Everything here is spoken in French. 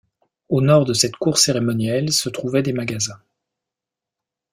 Au nord de cette cour cérémonielle se trouvaient des magasins.